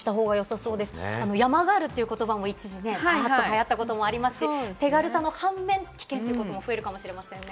「山ガール」という言葉も一時期、流行ったこともありますが、手軽さの反面、危険ということが増えるかもしれませんね。